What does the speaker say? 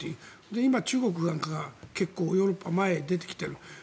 今、結構、中国なんかがヨーロッパの前へ出てきている。